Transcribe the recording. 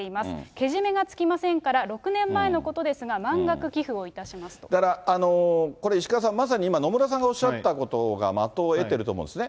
けじめがつきませんから、６年前のことですが、満額寄付をいたしだから、これ、石川さん、まさに今、野村さんがおっしゃったことが的を得てると思うんですね。